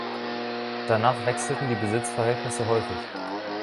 Danach wechselten die Besitzverhältnisse häufig.